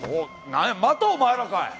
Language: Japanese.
何やまたお前らかい。